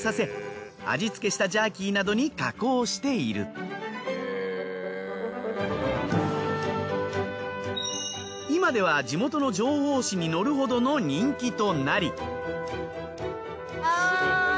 お肉を今では地元の情報誌に載るほどの人気となり。